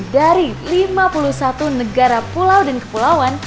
dari lima puluh satu negara pulau dan kepulauan